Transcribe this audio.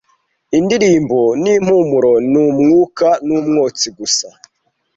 indirimbo n'impumuro ni umwuka n'umwotsi gusa